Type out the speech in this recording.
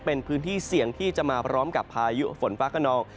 เป็นพื้นที่เสี่ยงที่จะมาพร้อมกับพายุฝนฟ้าขนอง